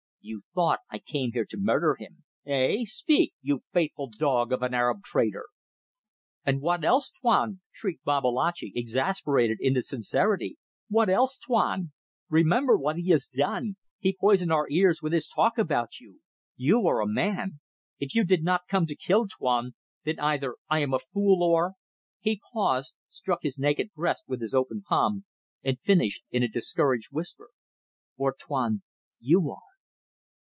"You thought I came here to murder him. Hey? Speak! You faithful dog of an Arab trader!" "And what else, Tuan?" shrieked Babalatchi, exasperated into sincerity. "What else, Tuan! Remember what he has done; he poisoned our ears with his talk about you. You are a man. If you did not come to kill, Tuan, then either I am a fool or ..." He paused, struck his naked breast with his open palm, and finished in a discouraged whisper "or, Tuan, you are."